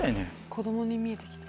子供に見えてきた。